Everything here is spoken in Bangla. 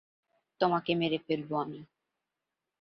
তোকে মেরে ফেলব আমি।